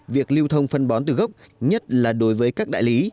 việc lưu thông phân bón từ gốc nhất là đối với các đại lý